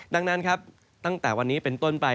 ดังนั้นครับตั้งแต่วันนี้เป็นต้นไป